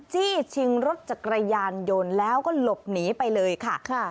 จี้ชิงรถจักรยานยนต์แล้วก็หลบหนีไปเลยค่ะ